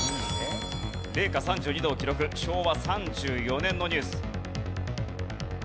「零下３２度を記録」昭和３４年のニュース。